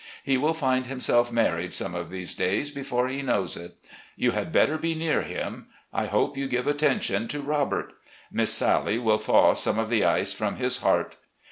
He will find himself married some of these days before he knows it. You had better be near him. I hope you give attention to Robert. Miss Sallie will thaw some of the ice from his heart.